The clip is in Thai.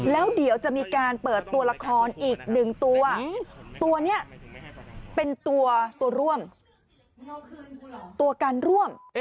แล้วเดี๋ยวจะมีการเปิดตัวละครอีกหนึ่งตัวตัวนี้เป็นตัวร่วมตัวการร่วม